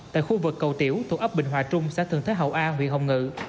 tại khu vực cầu tiểu tổ ấp bình hòa trung xã thường thế hậu a huyện hồng ngự